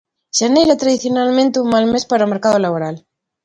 Xaneiro é tradicionalmente un mal mes para o mercado laboral.